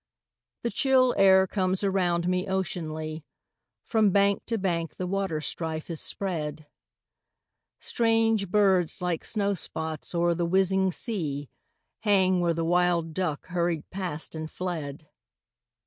The chill air comes around me oceanly, From bank to bank the waterstrife is spread; Strange birds like snowspots oer the whizzing sea Hang where the wild duck hurried past and fled.